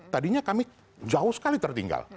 tadinya kami jauh sekali tertinggal